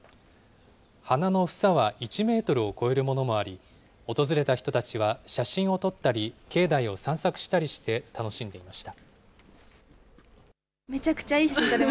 花の房は１メートルを超えるものもあり、訪れた人たちは、写真を撮ったり、境内を散策したりして楽しんでいました。